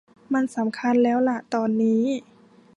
มันสำคัญแล้วล่ะตอนนี้